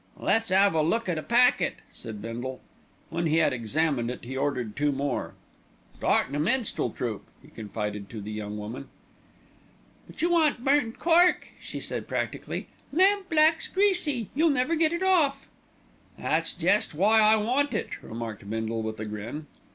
"Let's 'ave a look at a packet," said Bindle. When he had examined it, he ordered two more. "Startin' a minstrel troupe," he confided to the young woman. "But you want burnt cork," she said practically; "lamp black's greasy. You'll never get it off." "That's jest why I want it," remarked Bindle with a grin.